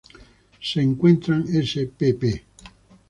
Se encuentran spp.